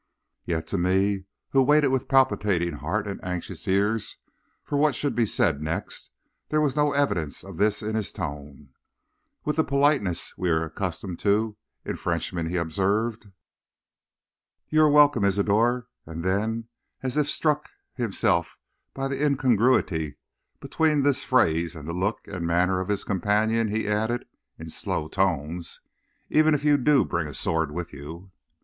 Yet to me, who waited with palpitating heart and anxious ears for what should be said next, there was no evidence of this in his tone. With the politeness we are accustomed to in Frenchmen he observed: "'You are welcome, Isidor;' and then, as if struck himself by the incongruity between this phrase and the look and manner of his companion, he added, in slow tones 'even if you do bring a sword with you.'